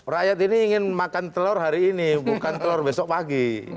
rakyat ini ingin makan telur hari ini bukan telur besok pagi